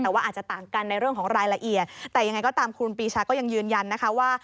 แต่ว่าอาจจะต่างกันในเรื่องของรายละเอียดแต่ยังไงก็ตามครูปีชาก็ยังยืนยันนะคะว่า